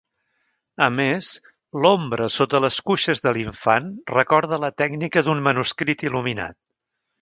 A més, l'ombra sota les cuixes de l'infant recorda la tècnica d'un manuscrit il·luminat.